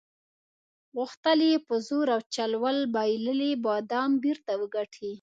غوښتل یې په زور او چل ول بایللي بادام بیرته وګټي.